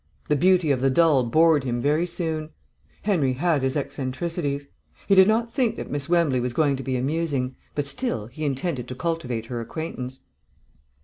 The beauty of the dull bored him very soon; Henry had his eccentricities. He did not think that Miss Wembley was going to be amusing, but still, he intended to cultivate her acquaintance.